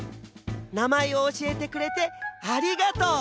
なまえをおしえてくれてありがとう！